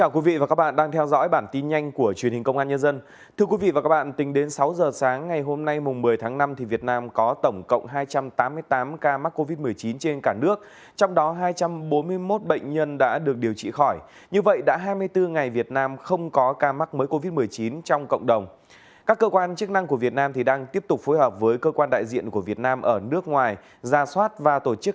các bạn hãy đăng ký kênh để ủng hộ kênh của chúng mình nhé